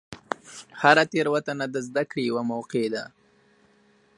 هره تېروتنه د زدهکړې یوه موقع ده.